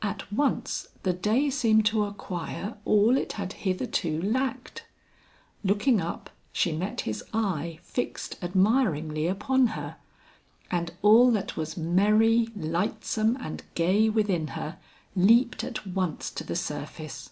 At once the day seemed to acquire all it had hitherto lacked. Looking up, she met his eye fixed admiringly upon her, and all that was merry, lightsome and gay within her, leaped at once to the surface.